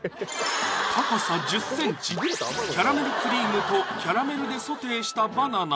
高さ１０ｃｍキャラメルクリームとキャラメルでソテーしたバナナ